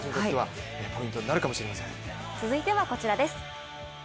続いてはこちらです。